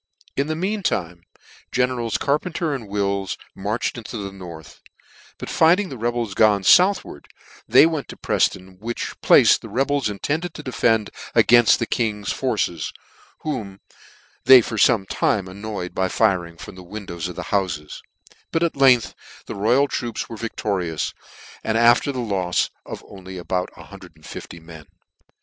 In the mean time the generals Carpenter and Wills marched into the North ; but finding the rebels gone fouchward, they wentt Prefton, which place the Rebels intended to defend againft the King's forces, whom they for fome' time annoyed by firing from the windows of the houfes j but at length the royal troops were victorious, after the lofs of about 150 men.